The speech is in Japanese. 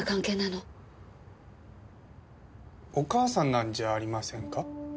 お母さんなんじゃありませんか？